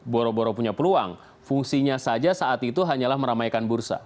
boro boro punya peluang fungsinya saja saat itu hanyalah meramaikan bursa